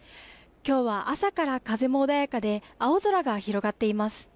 きょうは朝から風も穏やかで、青空が広がっています。